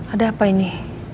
ada apa ini